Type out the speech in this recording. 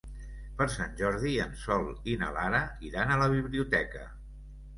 Per Sant Jordi en Sol i na Lara iran a la biblioteca.